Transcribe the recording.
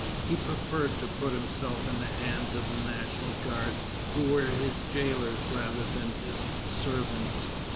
He preferred to put himself in the hands of the National Guard, who were his jailors rather than his servants.